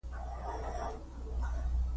پروتون مثبت چارج لري.